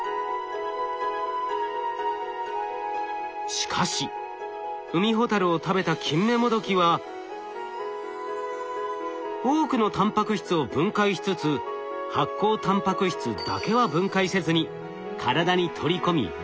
しかしウミホタルを食べたキンメモドキは多くのタンパク質を分解しつつ発光タンパク質だけは分解せずに体に取り込み利用できるのです。